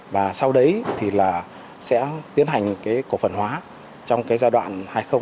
và sau đấy thì sẽ tiến hành cổ phần hóa trong giai đoạn hai nghìn hai mươi hai hai nghìn hai mươi năm